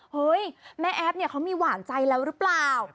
เฮ้ยแม่แอฟเนี่ยเขามีหวานใจแล้วหรือเปล่า